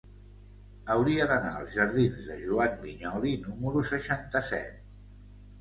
Hauria d'anar als jardins de Joan Vinyoli número seixanta-set.